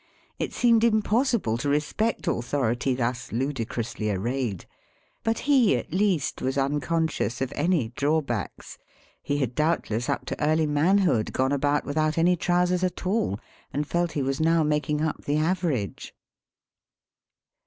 It seemed impossible to respect authority thus ludicrously arrayed. But he, at least, was unconscious of any drawbacks. He had doubt less, up to early manhood, gone about without any trousers at all, and felt he was now making up the average.